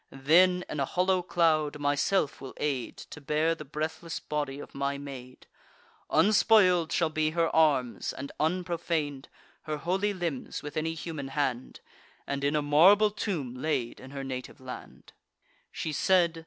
Then, in a hollow cloud, myself will aid To bear the breathless body of my maid: Unspoil'd shall be her arms, and unprofan'd Her holy limbs with any human hand, And in a marble tomb laid in her native land." She said.